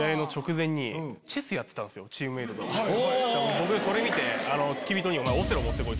僕それ見て付き人に。